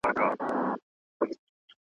تیارې به د قرنونو وي له لمره تښتېدلي .